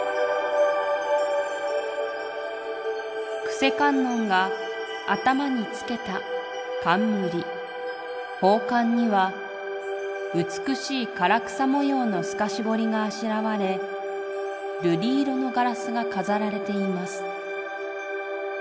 「救世観音が頭につけた冠宝冠には美しい唐草模様の透かし彫りがあしらわれ瑠璃色のガラスが飾られています。